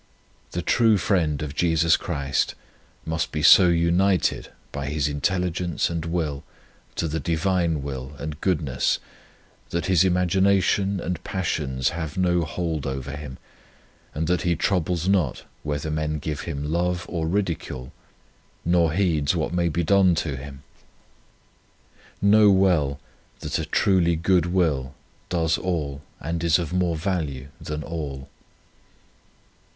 The true friend of Jesus Christ must be so united by his intelli gence and will to the Divine will and goodness that his imagination and passions have no hold over him, and that he troubles not whether men give him love or ridicule, nor heeds what may be done to him. Know well that a 1 Prov. viii. 31. 4 1 On Union with God truly good will does all and is of more value than all.